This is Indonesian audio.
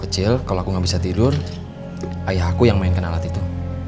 cil kalau aku gak bisa tidur ayah aku yang mainkan alat itu